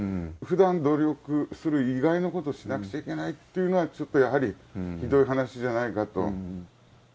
ふだん努力する以外のことをしなくちゃいけないっていうのは、ちょっとやはりひどい話じゃないかと。